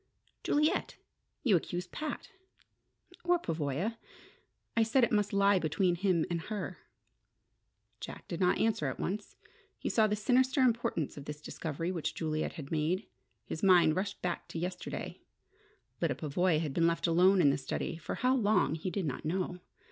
"Juliet! You accuse Pat " "Or Pavoya. I said it must lie between him and her." Jack did not answer at once. He saw the sinister importance of this discovery which Juliet had made. His mind rushed back to yesterday. Lyda Pavoya had been left alone in the study, for how long he did not know.